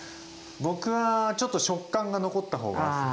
僕はちょっと食感が残った方が好きですね。